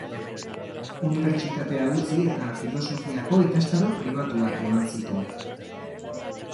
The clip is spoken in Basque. Unibertsitatea utzi eta filosofiako ikastaro pribatuak eman zituen.